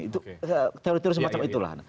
itu teroriterus macam itulah